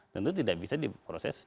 tentu tidak bisa diproses